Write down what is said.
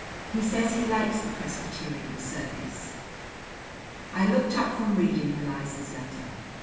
He says he likes the Presbyterian service. I looked up from reading Eliza's letter.